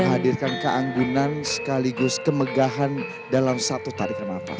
menghadirkan keanggunan sekaligus kemegahan dalam satu tarikh konon maha pas